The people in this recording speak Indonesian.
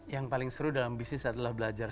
yang paling seru dalam bisnis adalah belajar